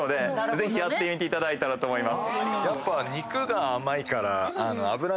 ぜひやってみていただいたらと思います。